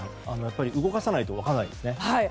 やっぱり動かさないと分からないですね。